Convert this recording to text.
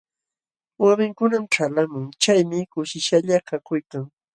Wawinkunam ćhalqamun, chaymi kushishqalla kakuykan.